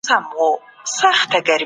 بانکي سیستم څنګه تقویه کیږي؟